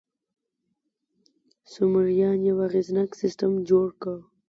سومریان یو اغېزناک سیستم جوړ کړ.